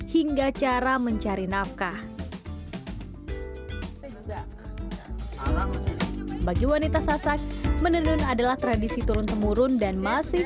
hingga cara mencari nafkah juga bagi wanita sasak menenun adalah tradisi turun temurun dan masih